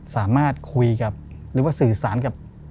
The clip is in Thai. สามารถคุยกับทราบสื่อสารกับ